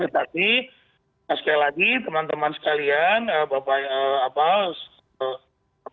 tapi sekali lagi teman teman sekalian bapak